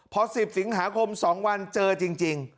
พอ๑๐สิงหาคม๒วันเจอจริง